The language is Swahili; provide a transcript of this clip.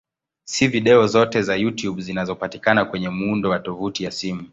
Si video zote za YouTube zinazopatikana kwenye muundo wa tovuti ya simu.